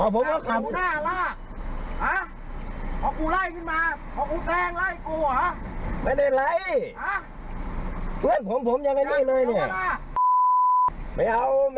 เพื่อนผมอย่างนี้เลยเนี่ย